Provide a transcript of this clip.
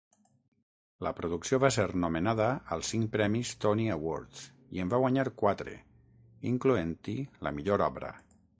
La producció va ser nomenada al cinc premis Tony Awards i en va guanyar quatre, incloent-hi la Millor obra.